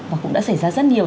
và cũng đã xảy ra rất nhiều